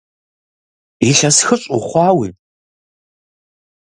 Илъэс хыщӏ ухъуауи?!